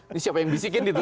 ini siapa yang bisikin gitu